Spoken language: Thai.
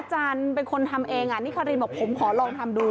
กรรมเองอ่ะนี่คารีนบอกผมขอลองทำดู